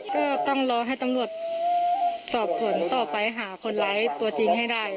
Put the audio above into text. ก็ต้องรอให้ตำรวจสอบสวนต่อไปหาคนร้ายตัวจริงให้ได้